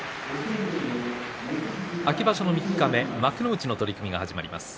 秋場所の三日目幕内の取組が始まります。